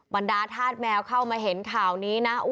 บรรดาธาตุแมวเข้ามาเห็นข่าวนี้นะ